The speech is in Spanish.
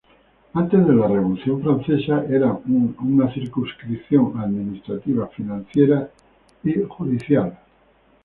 Antes de la Revolución francesa, eran una circunscripción administrativa, financiera y judicial.